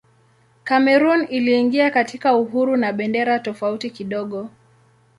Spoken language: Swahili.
Kamerun iliingia katika uhuru na bendera tofauti kidogo.